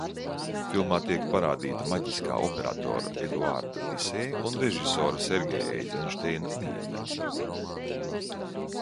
Filmā tiek parādīta maģiskā operatora Eduarda Tisē un režisora Sergeja Eizenšteina mijiedarbība.